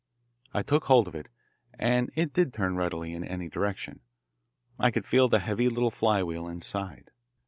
I took hold of it, and it did turn readily in any direction. I could feel the heavy little flywheel inside.